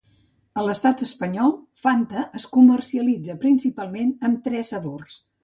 A l'Estat Espanyol Fanta es comercialitza principalment en tres sabors.